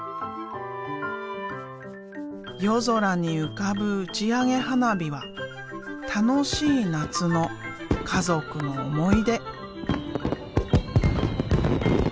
夜空に浮かぶ打ち上げ花火は楽しい夏の家族の思い出。